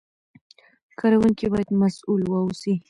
کاروونکي باید مسوول واوسي.